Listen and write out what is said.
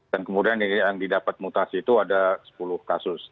dan kemudian yang didapat mutasi itu ada sepuluh kasus